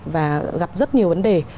và gặp rất nhiều vấn đề